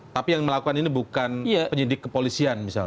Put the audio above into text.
tapi yang melakukan ini bukan penyidik kepolisian misalnya